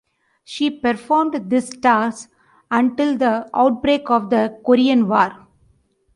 She performed this task until the outbreak of the Korean War.